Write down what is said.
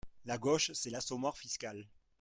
La gauche, c’est l’assommoir fiscal.